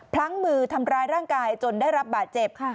พลั้งมือทำร้ายร่างกายจนได้รับบาดเจ็บ